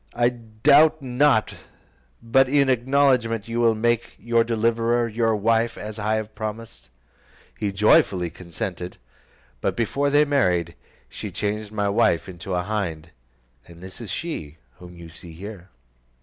I doubt not but in acknowledgment you will make your deliverer your wife, as I have promised." He joyfully consented; but before they married, she changed my wife into a hind; and this is she whom you see here.